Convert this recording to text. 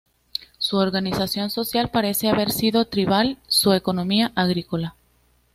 Su organización social parece haber sido tribal, su economía, agrícola.